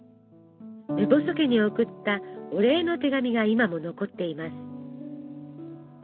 目細家に送ったお礼の手紙が今も残っています。